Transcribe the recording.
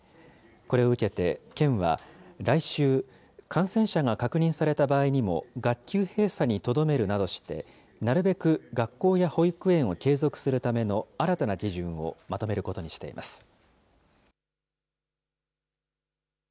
これを受けて県は、来週、感染者が確認された場合にも、学級閉鎖にとどめるなどして、なるべく学校や保育園を継続するための新たな基準をまとめることにしています。